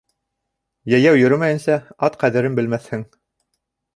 Йәйәү йөрөмәйенсә, ат ҡәҙерен белмәҫһең.